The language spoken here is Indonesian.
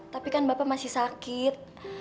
tapi kan bapak masih sakit